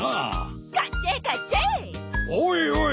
おいおい！